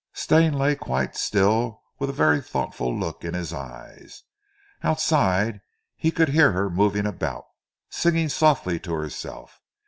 Stane lay quite still with a very thoughtful look in his eyes. Outside he could hear her moving about, singing softly to herself.